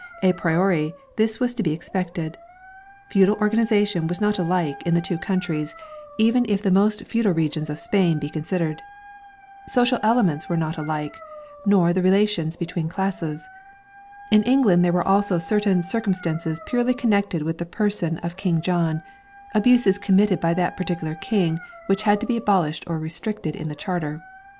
A priori this was to be ex pected. Feudal organization was not alike in the two 230 MAGNA CARTA AND countries, even if the most feudal regions of Spain be considered. Social elements were not alike nor the re lations between classes. In England there were also certain circumstances purely connected with the person of King John, abuses committed by that particular King which had to be abolished or restricted in the Charter.